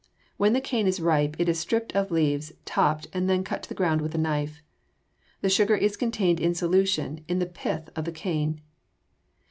When the cane is ripe it is stripped of leaves, topped, and cut at the ground with a knife. The sugar is contained in solution in the pith of the cane.